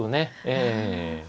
ええ。